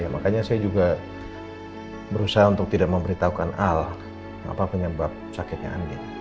makanya saya juga berusaha untuk tidak memberitahukan al apa penyebab sakitnya andi